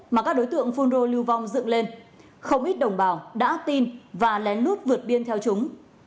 mà các đối tượng phun rô lưu vong dựng lên không ít đồng bào đã tin và lén lút vượt biên theo chúng